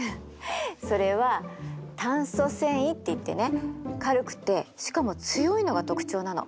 それは炭素繊維っていってね軽くてしかも強いのが特徴なの。